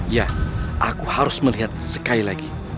ya aku harus melihat sekali lagi